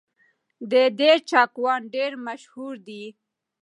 د دير چاکوان ډېر مشهور دي